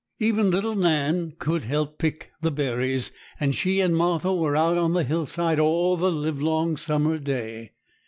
Even little Nan could help to pick the berries, and she and Martha were out on the hillsides all the livelong summer day.